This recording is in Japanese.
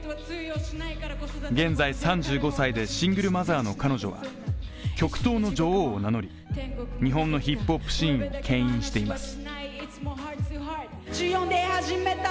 現在、３５歳でシングルマザーの彼女は極東の女王を名乗り日本のヒップホップシーンをけん引しています